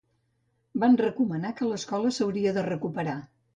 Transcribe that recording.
Van recomanar que l'escola s'hauria de recuperar.